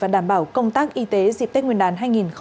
và đảm bảo công tác y tế dịp tết nguyên đán hai nghìn hai mươi hai